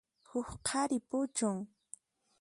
Huk qhari puchun.